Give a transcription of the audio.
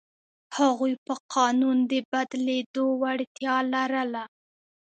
هغوی په قانون د بدلېدو وړتیا لرله.